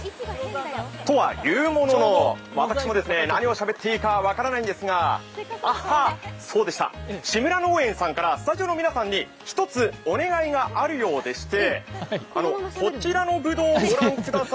とはいうものの、私も何をしゃべっていいか分からないんですが、ああ、そうでした、志村農園さんからスタジオの皆さんに１つお願いがあるようでしてこちらのぶどうをご覧ください。